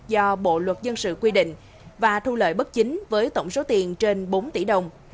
do bộ luật dân sự quy định và thu lợi bất chính với tổng số tiền trên bốn tỷ đồng